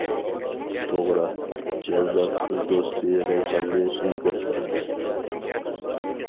توغرا، جەۋلان قىز دوستى رەيھاننى ئىزدەپ باردى.